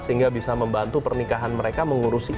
sehingga bisa membantu pernikahan mereka mengurusi